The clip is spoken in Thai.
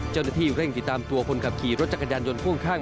เจ้าหน้าที่เร่งติดตามตัวคนขับขี่รถจักรยานยนต์พ่วงข้าง